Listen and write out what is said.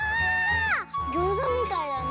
ギョーザみたいだね。